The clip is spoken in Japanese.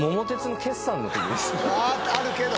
あるけど！